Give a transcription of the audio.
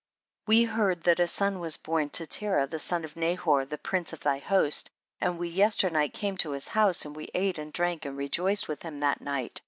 9. We heard that a son was born to Terah the son of Nahor, the prince of thy host, aiKl we yesternight came to his house, and we ate and drank and rejoiced with him that night.